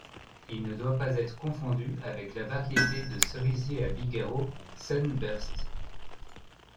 Il ne doit pas être confondu avec la variété de cerisier à bigarreaux 'Sunburst'.